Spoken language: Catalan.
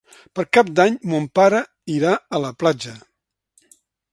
Per Cap d'Any mon pare irà a la platja.